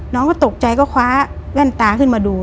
น้องก็ตกใจก็คว้าแว่นตาขึ้นมาดู